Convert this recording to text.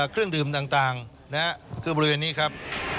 เครื่องดื่มต่างคือบริเวณนี้ครับ